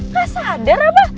gak sadar apa